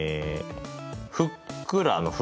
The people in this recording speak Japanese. ふっくらの「ふ」